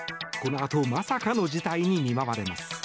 このあとまさかの事態に見舞われます。